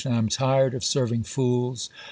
.. I am tired of serv ing fools. .